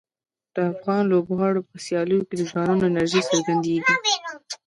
د افغان لوبغاړو په سیالیو کې د ځوانانو انرژي څرګندیږي.